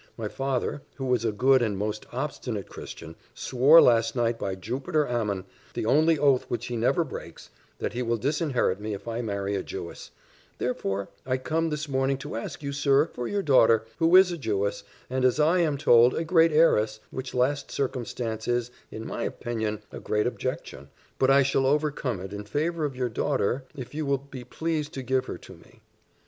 My father, who is a good and a most obstinate Christian, swore last night by Jupiter Ammon, the only oath which he never breaks, that he will disinherit me if I marry a Jewess: therefore, I come this morning to ask you, sir, for your daughter, who is a Jewess, and as I am told, a great heiress which last circumstance is, in my opinion, a great objection, but I shall overcome it in favour of your daughter, if you will be pleased to give her to me.